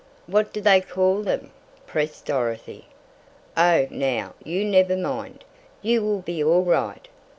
"What do they call them?" pressed Dorothy. "Oh, now, you never mind. You will be all right.